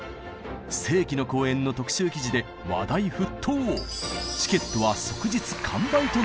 「世紀の公演」の特集記事で話題沸騰！